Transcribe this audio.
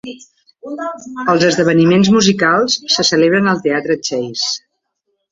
Els esdeveniments musicals se celebren al teatre Chasse.